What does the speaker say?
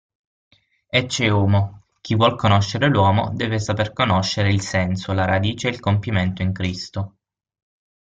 Ecce homo: chi vuol conoscere l'uomo, deve saperne riconoscere il senso, la radice e il compimento in Cristo.